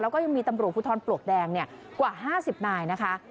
แล้วก็ยังมีตำรวจผู้ท้อนปลวกแดงเนี่ยกว่า๕๐นายนะคะ